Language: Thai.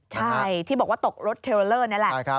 ใช่ที่บอกว่าตกรถเทลเลอร์นี่แหละ